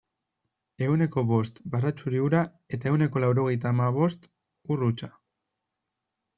Ehuneko bost baratxuri ura eta ehuneko laurogeita hamabost ur hutsa.